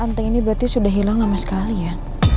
anteng ini berarti sudah hilang lama sekali ya